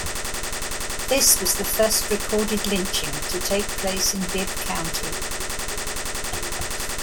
This was the first recorded lynching to take place in Bibb County.